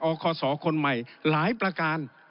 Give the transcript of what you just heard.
ออกขอสอคนใหม่หลายประการ